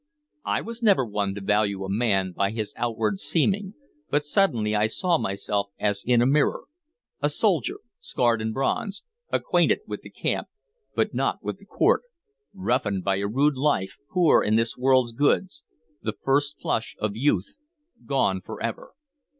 I was never one to value a man by his outward seeming, but suddenly I saw myself as in a mirror, a soldier, scarred and bronzed, acquainted with the camp, but not with the court, roughened by a rude life, poor in this world's goods, the first flush of youth gone forever.